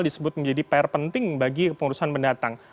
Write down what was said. disebut menjadi pr penting bagi pengurusan mendatang